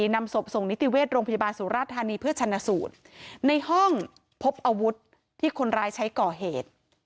นำศพส่งนิติเวชโรงพยาบาลสุราธานีเพื่อชนะสูตรในห้องพบอาวุธที่คนร้ายใช้ก่อเหตุ